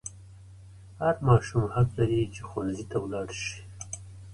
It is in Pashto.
هر ماشوم حق لري چې ښوونځي ته ولاړ شي.